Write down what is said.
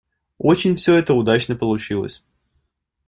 Очень все это удачно получилось.